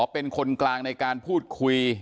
เป็นคนกลางในการพูดคุย